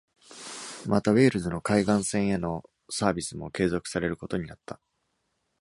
また、ウェールズの海岸線へのサービスも継続されることになった。